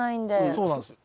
そうなんですよ。